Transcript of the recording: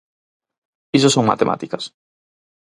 Iso son matemáticas.